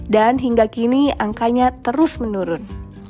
dan hingga kini angkanya terus menurun